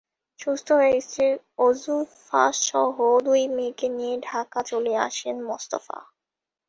সুস্থ হয়ে স্ত্রী ওজুফাসহ দুই মেয়েকে নিয়ে ঢাকা চলে আসেন মোস্তফা।